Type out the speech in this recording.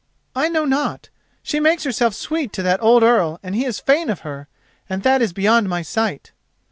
"I know not. She makes herself sweet to that old Earl and he is fain of her, and that is beyond my sight."